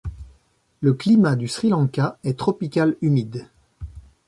Le climat du Sri Lanka est tropical humide.